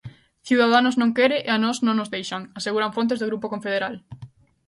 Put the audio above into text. "Ciudadanos non quere e a nós non nos deixan", aseguran fontes do grupo confederal.